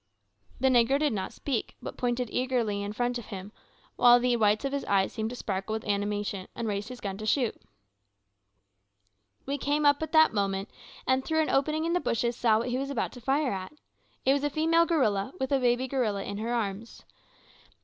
The negro did not speak, but pointed eagerly in front of him, while the whites of his eyes seemed to sparkle with animation, and raised his gun to shoot. We came up at the moment, and through an opening in the bushes saw what he was about to fire at. It was a female gorilla, with a baby gorilla in her arms.